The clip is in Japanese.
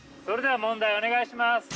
それでは問題、お願いします。